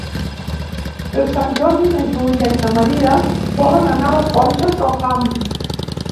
Per Sant Jordi na Júlia i na Maria volen anar a les Borges del Camp.